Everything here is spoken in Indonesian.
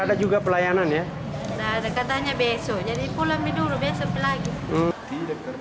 tidak ada katanya besok jadi pulang dulu besok lagi